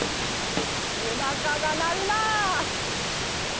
おなかが鳴るな。